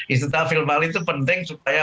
isti to'ah filmali itu penting supaya